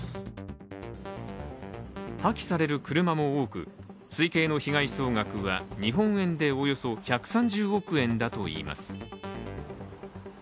破棄される車も多く、推計の被害総額は日本円でおよそ１３０億円だといいます。